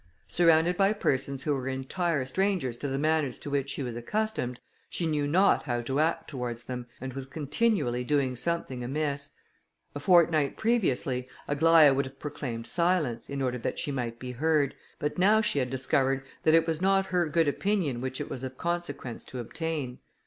Surrounded by persons who were entire strangers to the manners to which she was accustomed, she knew not how to act towards them, and was continually doing something amiss. A fortnight previously, Aglaïa would have proclaimed silence, in order that she might be heard, but now she had discovered that it was not her good opinion which it was of consequence to obtain.